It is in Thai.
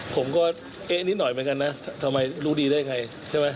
ผมก็เอ๊ะนิดหน่อยเหมือนกันนะทำไมรู้ดีได้ไงใช่ไหม